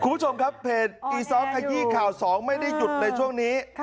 คุณผู้ชมครับเพจอีซอสขยี้ข่าวสองไม่ได้หยุดเลยช่วงนี้